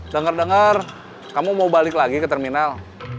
dengar dengar kamu mau balik lagi ke terminal